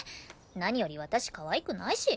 何より私かわいくないし。